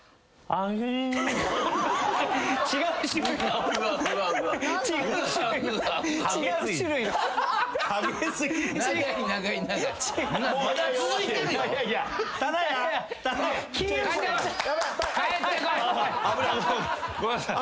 あっごめんなさい。